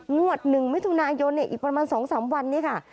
งวดหนึ่งมิถุนายนอีกประมาณสองสามวันนี่ค่ะ